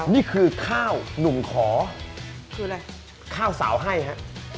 ว่านี่คือข้าวหนุ่มขอข้าวสาวให้นะ